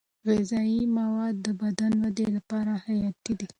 غذايي مواد د بدن ودې لپاره حیاتي دي.